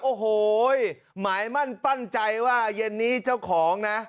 โอ้โหหมายมั่นปั้นใจว่าเย็นนี้เจ้าของนะ